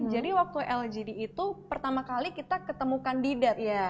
jadi waktu lgd itu pertama kali kita ketemu kandidat